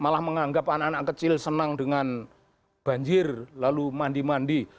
malah menganggap anak anak kecil senang dengan banjir lalu mandi mandi